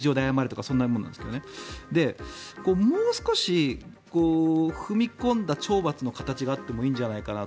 次が議場で謝るとかそういうのなんですけどもう少し踏み込んだ懲罰の形があってもいいんじゃないかなと。